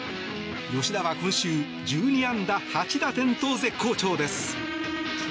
吉田は今週１２安打８打点と絶好調です。